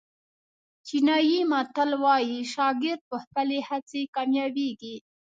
چینایي متل وایي شاګرد په خپلې هڅې کامیابېږي.